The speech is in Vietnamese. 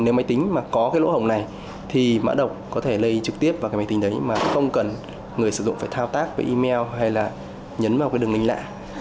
nếu máy tính có lỗ hồng này thì mã độc có thể lây trực tiếp vào máy tính đấy mà không cần người sử dụng phải thao tác với email hay là nhấn vào đường linh lạ